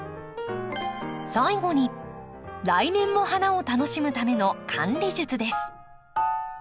最後に来年も花を楽しむための管理術です。